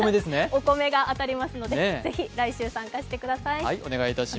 お米が当たりますのでぜひ来週、参加してください。